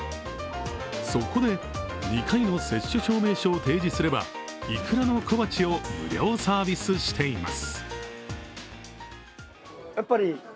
そこで、２回の接種証明書を提示すればイクラの小鉢を無料サービスしています。